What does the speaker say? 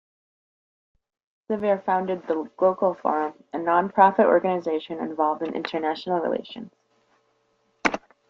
Savir founded the Glocal Forum, a non-profit organization involved in international relations.